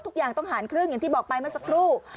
ทุกอย่างต้องหารครึ่งอย่างที่บอกไปเมื่อสักครู่